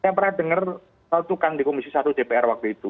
saya pernah dengar saldukan di komisi satu dpr waktu itu